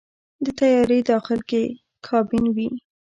د طیارې داخل کې کابین وي.